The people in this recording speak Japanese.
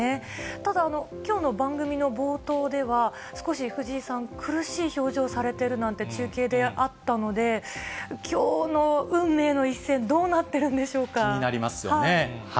ただ、きょうの番組の冒頭では、少し藤井さん、苦しい表情をされてるなんて中継であったので、きょうの運命の一気になりますよね。